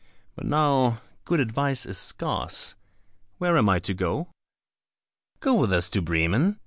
But now good advice is scarce. Where am I to go?" "Go with us to Bremen.